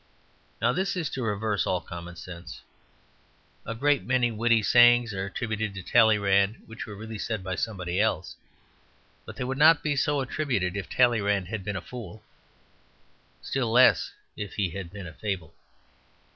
Now this is to reverse all common sense. A great many witty sayings are attributed to Talleyrand which were really said by somebody else. But they would not be so attributed if Talleyrand had been a fool, still less if he had been a fable.